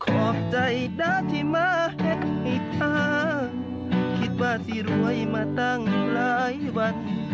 ขอบใจด้าที่มาให้เธอคิดว่าสิรวยมาตั้งหลายวัน